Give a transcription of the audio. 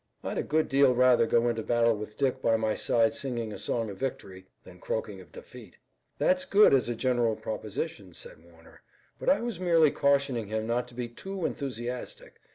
"I'd a good deal rather go into battle with Dick by my side singing a song of victory, than croaking of defeat." "That's good as a general proposition," said Warner, "but I was merely cautioning him not to be too enthusiastic.